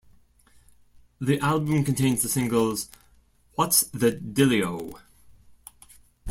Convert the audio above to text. The album contains the singles What's the Dillio?